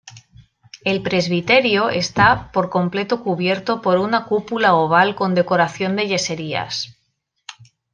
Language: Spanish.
El presbiterio esta por completo cubierto por una cúpula oval con decoración de yeserías.